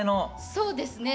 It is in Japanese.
そうですね。